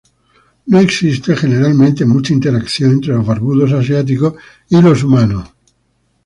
No existe generalmente mucha interacción entre los barbudos asiáticos y los humanos.